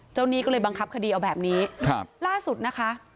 หนี้ก็เลยบังคับคดีเอาแบบนี้ครับล่าสุดนะคะ